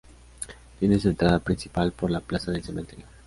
Tiene su entrada principal por la plaza del Cementerio.